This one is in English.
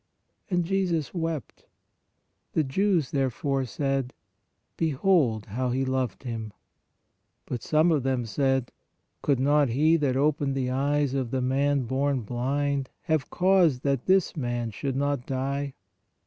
And Jesus wept. The Jews therefore said: Behold how He loved him. But some of them said : Could not He that opened the eyes of the man born blind, have caused that this man should not die?